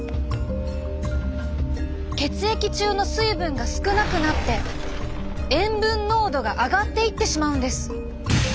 血液中の水分が少なくなって塩分濃度が上がっていってしまうんです。